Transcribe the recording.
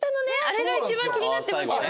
あれが一番気になってますよね。